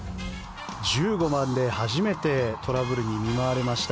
１５番で初めてトラブルに見舞われました。